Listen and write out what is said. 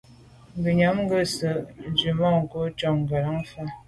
Ngùnyàm nke nse’ la’ tswemanko’ njon ngelan fa.